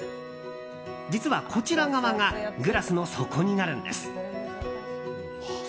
実は、こちら側がグラスの底になるんです。